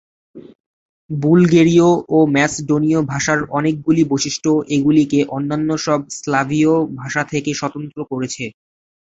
বুলগেরীয় ও ম্যাসডোনীয় ভাষার অনেকগুলি বৈশিষ্ট্য এগুলিকে অন্যান্য সব স্লাভীয় ভাষা থেকে স্বতন্ত্র করেছে।